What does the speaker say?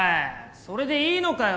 それでいいのかよ